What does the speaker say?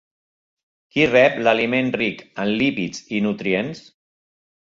Qui rep l'aliment ric en lípids i nutrients?